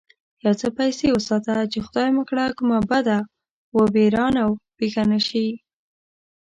يو څه پيسې وساته چې خدای مکړه کومه بده و بېرانه پېښه نه شي.